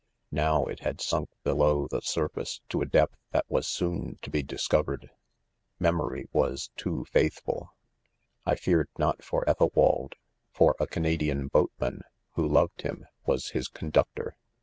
Now, it had sunk., below the surface to a depth that was soon to be discovered., 4 Memory was too faithful. I feared not for Ethelwald ; for a Canadian boatman, who loved ■ him, was his conductor.